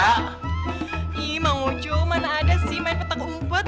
iiih mang ojo mana ada sih main petak umpet